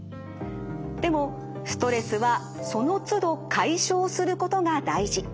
でもストレスはその都度解消することが大事。